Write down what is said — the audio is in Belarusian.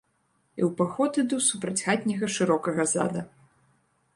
І ў паход іду супраць хатняга шырокага зада.